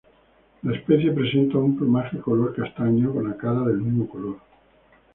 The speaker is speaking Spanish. La especie presenta un plumaje color castaño, con la cara del mismo color.